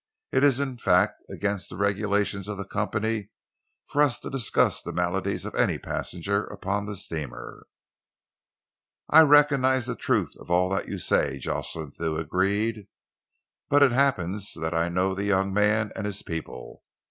It is, in fact, against the regulations of the company for us to discuss the maladies of any passenger upon the steamer." "I recognise the truth of all that you say," Jocelyn Thew agreed, "but it happens that I know the young man and his people.